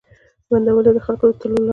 بندولې یې د خلکو د تلو لاري